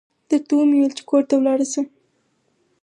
درته و مې ويل چې کور ته ولاړه شه.